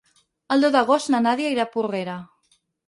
El deu d'agost na Nàdia irà a Porrera.